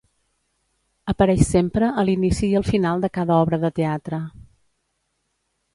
Apareix sempre a l'inici i al final de cada obra de teatre.